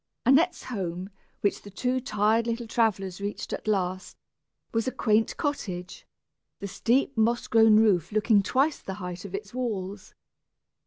Annette's home, which the two tired little travellers reached at last, was a quaint cottage, the steep moss grown roof looking twice the height of its walls.